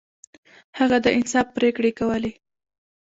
هغه د انصاف پریکړې کولې.